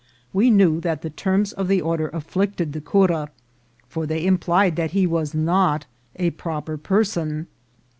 We knew that the terms of the order afflicted the cura, for they implied that he was not a proper person.